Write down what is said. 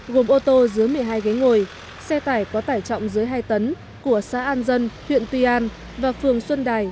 gồm ô tô dưới một mươi hai ghế ngồi xe tải có tải trọng dưới hai tấn của xã an dân huyện tuy an và phường xuân đài